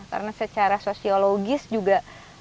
karena secara sosiologis juga